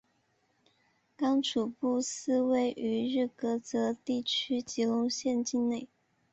刚楚布寺位于日喀则地区吉隆县境内。